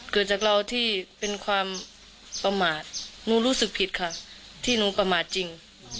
เกิดจากเราที่เป็นความประมาทหนูรู้สึกผิดค่ะที่หนูประมาทจริง